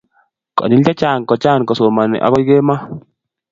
Konyil chechang kochan kosomani agoi kemoi